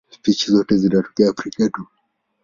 Spishi zote zinatokea Afrika tu.